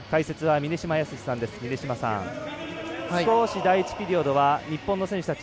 峰島さん、少し第１ピリオドは日本の選手たち